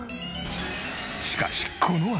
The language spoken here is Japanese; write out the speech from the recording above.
しかしこのあと。